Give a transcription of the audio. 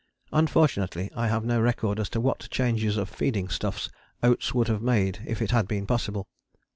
Unfortunately I have no record as to what changes of feeding stuffs Oates would have made if it had been possible.